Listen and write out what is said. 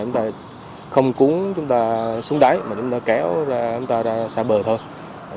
chúng ta không cuốn chúng ta xuống đáy mà chúng ta kéo ra chúng ta ra xa bờ thôi